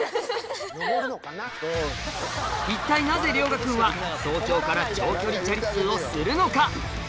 一体なぜ涼芽くんは早朝から長距離チャリ通をするのか？